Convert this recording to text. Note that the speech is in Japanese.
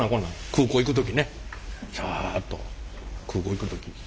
空港行く時ね。と空港行く時に。